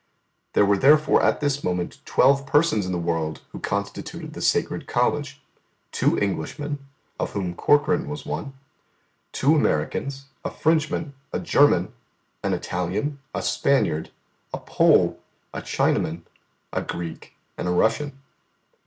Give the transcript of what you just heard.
There were therefore at this moment twelve persons in the world who constituted the Sacred College two Englishmen, of whom Corkran was one; two Americans, a Frenchman, a German, an Italian, a Spaniard, a Pole, a Chinaman, a Greek, and a Russian.